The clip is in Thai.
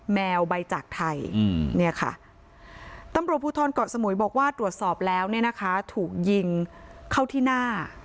แมวใบจากไทยตำรวจผู้ทรกเกาะสมุยบอกว่าตรวจสอบแล้วถูกยิงเข้าที่หน้า